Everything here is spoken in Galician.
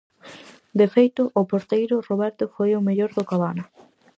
De feito, o porteiro Roberto foi o mellor do Cabana.